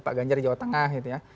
pak ganjar di jawa tengah gitu ya